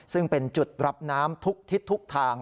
ซึ่งเป็นจุดรับน้ำทุกทิศทุกทาง